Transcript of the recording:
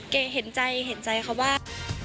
เห็นใจเห็นใจเขาว่า